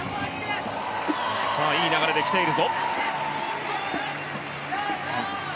いい流れできている。